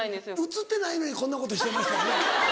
映ってないのにこんなことしてましたよね。